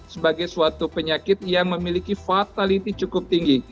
sebagai suatu penyakit yang memiliki fatality cukup tinggi